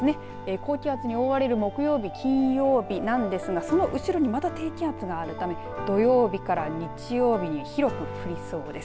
高気圧に覆われる木曜日金曜日なんですがその後ろにまた低気圧があるため土曜日から日曜日広く降りそうです。